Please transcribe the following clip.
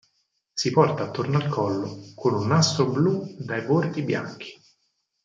Si porta attorno al collo con un nastro blu dai bordi bianchi.